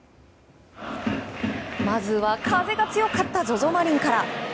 まずは風が強かったＺＯＺＯマリンから。